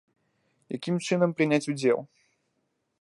Якім чынам прыняць удзел?